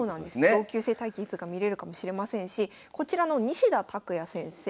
同級生対決が見れるかもしれませんしこちらの西田拓也先生